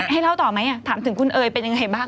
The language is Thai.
ให้เล่าต่อไหมถามถึงคุณเอ๋ยเป็นยังไงบ้าง